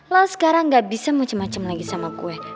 lo sekarang gak bisa macem macem lagi sama gue